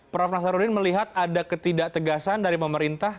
prof nasaruddin melihat ada ketidak tegasan dari pemerintah